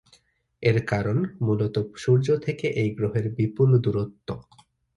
এর কারণ প্রধানত সূর্য থেকে এই গ্রহের বিপুল দূরত্ব।